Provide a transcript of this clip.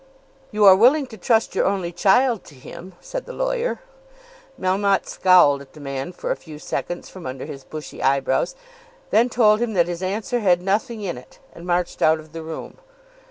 "You are willing to trust your only child to him," said the lawyer. Melmotte scowled at the man for a few seconds from under his bushy eyebrows; then told him that his answer had nothing in it, and marched out of the room.